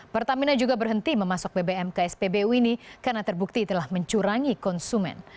pertamina juga berhenti memasok bbm ke spbu ini karena terbukti telah mencurangi konsumen